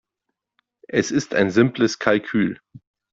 Es ist ein simples Kalkül.